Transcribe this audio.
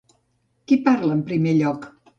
Qui parla en primer lloc?